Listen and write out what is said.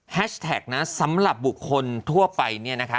แท็กนะสำหรับบุคคลทั่วไปเนี่ยนะคะ